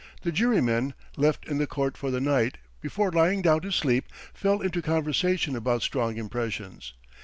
The jurymen, left in the court for the night, before lying down to sleep fell into conversation about strong impressions.